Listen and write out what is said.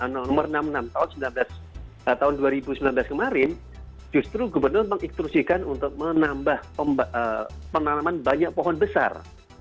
nomor enam puluh enam tahun dua ribu sembilan belas kemarin justru gubernur mengiktrusikan untuk menambah penanaman banyak pohon besar